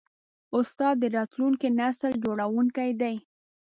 استاد د راتلونکي نسل جوړوونکی دی.